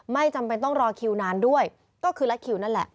ไม่จำเป็นต้องรอคิวนานด้วยก็คือละคิวนั่นแหละ